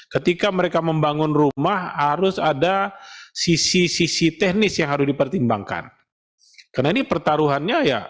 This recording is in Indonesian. ketika mereka membangun rumah harus ada sisi sisi teknis yang harus dipertimbangkan